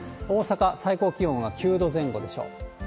大阪、最高気温は９度前後でしょう。